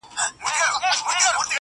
هغه ويل د هغه غره لمن کي.!